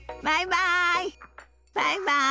バイバイ。